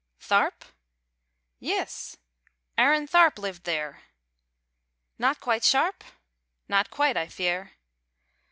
Tharp? Yis: Aaron Tharp lived theer! Not quite sharp? Not quite I fear!